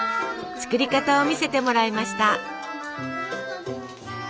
作り方を見せてもらいました。